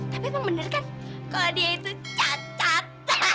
tapi emang bener kan kalo dia itu cacat